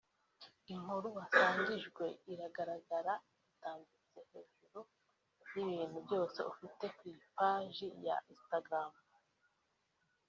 inkuru wasangijwe ziragaragara zitambitse hejuru y’ibintu byose ufite ku ipaji ya Instagram